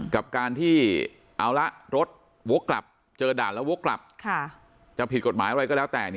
กับการที่เอาละรถวกกลับเจอด่านแล้ววกกลับจะผิดกฎหมายอะไรก็แล้วแต่